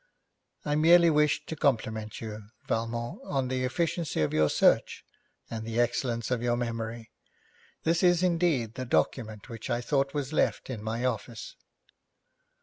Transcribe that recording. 'I merely wished to compliment you, Valmont, on the efficiency of your search, and the excellence of your memory. This is indeed the document which I thought was left in my office.'